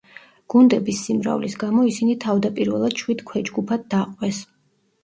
გუნდების სიმრავლის გამო ისინი თავდაპირველად შვიდ ქვეჯგუფად დაყვეს.